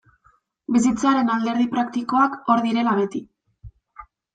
Bizitzaren alderdi praktikoak hor direla beti.